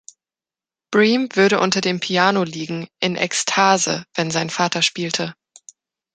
Bream würde unter dem Piano liegen in „Ekstase“, wenn sein Vater spielte.